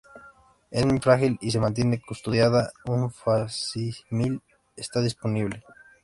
Es muy frágil y se mantiene custodiada; un facsímil está disponible.